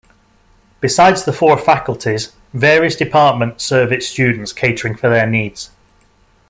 Besides the four faculties, various departments serve its students, catering for their needs.